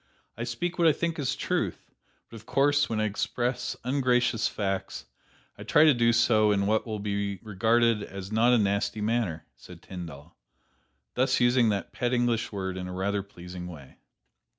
"I speak what I think is truth; but of course, when I express ungracious facts I try to do so in what will be regarded as not a nasty manner," said Tyndall, thus using that pet English word in a rather pleasing way.